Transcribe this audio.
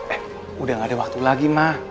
eh udah gak ada waktu lagi mah